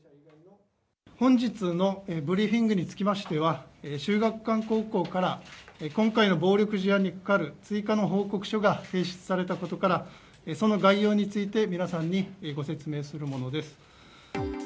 本日のブリーフィングにつきましては、秀岳館高校から今回の暴力事案にかかる追加の報告書が提出されたことから、その概要について皆さんにご説明するものです。